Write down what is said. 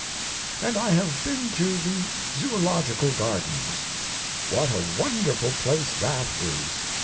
And I have been to the Zoological Gardens. What a wonderful place that is!